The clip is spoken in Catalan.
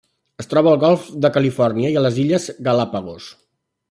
Es troba al Golf de Califòrnia i a les Illes Galápagos.